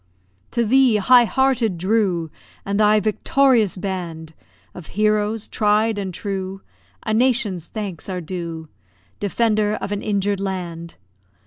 To thee, high hearted Drew! And thy victorious band Of heroes tried and true A nation's thanks are due. Defender of an injured land!